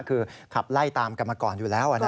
คือขับไล่ตามกันมาก่อนอยู่แล้ว